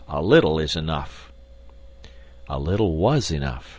A little is enough." A little WAS enough.